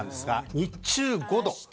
日中５度。